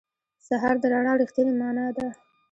سهار د رڼا رښتینې معنا ده.